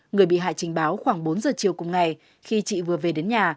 người bị hại trình báo khoảng bốn giờ chiều cùng ngày khi chị vừa về đến nhà